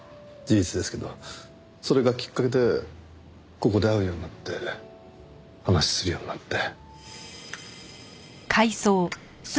それがきっかけでここで会うようになって話をするようになって。